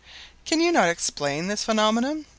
"Can you not explain this phenomenon?"